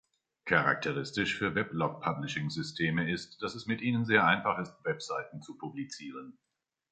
Charakteristisch für Weblog-Publishing-Systeme ist, dass es mit ihnen sehr einfach ist, Webseiten zu publizieren.